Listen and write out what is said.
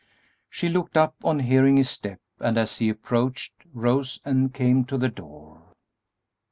She looked up on hearing his step, and, as he approached, rose and came to the door.